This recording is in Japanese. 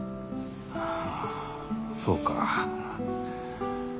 ああそうか。